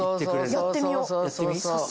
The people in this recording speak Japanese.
やってみよう早速。